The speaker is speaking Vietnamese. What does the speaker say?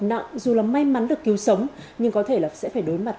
nặng dù là may mắn được cứu sống nhưng có thể là sẽ phải đối mặt